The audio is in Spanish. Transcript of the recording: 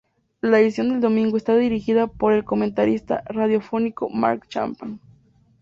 La edición del domingo está dirigida por el comentarista radiofónico Mark Chapman.